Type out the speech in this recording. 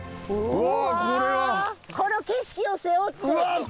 うわこの景色を背負って。